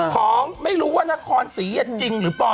ของไม่รู้ว่านครศรีจริงหรือปลอม